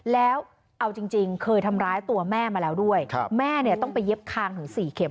แล้วเอาจริงเคยทำร้ายตัวแม่มาแล้วด้วยแม่เนี่ยต้องไปเย็บคางถึง๔เข็ม